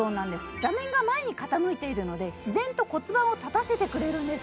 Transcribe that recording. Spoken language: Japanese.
座面が前に傾いているので、自然と骨盤を立たせてくれるんです。